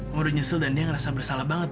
mau udah nyesel dan dia ngerasa bersalah banget